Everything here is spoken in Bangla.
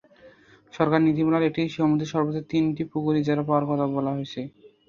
সরকারি নীতিমালায় একটি সমিতির সর্বোচ্চ তিনটি পুকুর ইজারা পাওয়ার কথা বলা হয়েছে।